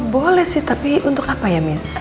boleh sih tapi untuk apa ya mas